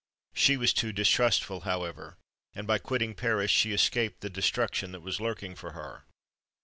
She was too distrustful, however; and, by quitting Paris, she escaped the destruction that was lurking for her.